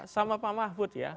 sama pak mahfud